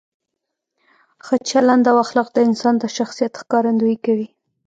ښه چلند او اخلاق د انسان د شخصیت ښکارندویي کوي.